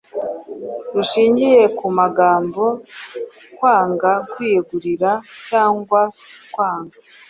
rushingiye kumagambo I kwanga kwiyegurira cyangwa kwanga,